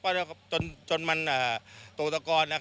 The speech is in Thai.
ป้อนจนตกร